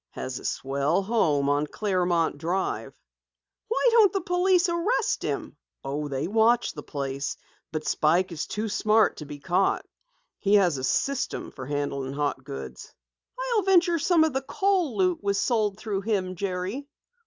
Has a swell home on Clarmont Drive." "Why don't the police arrest him?" "Oh, they watch the place, but Spike is too smart to be caught. He has a system for handling hot goods." "I'll venture some of the Kohl loot was sold through him, Jerry."